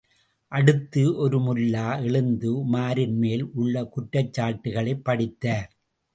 அடுத்து ஒரு முல்லா, எழுந்து உமாரின்மேல் உள்ள குற்றச்சாட்டுகளைப் படித்தார்.